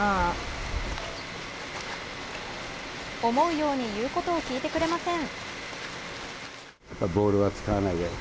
思うように言うことを聞いてくれません。